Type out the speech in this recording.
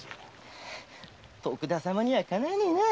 徳田様にはかなわねえな。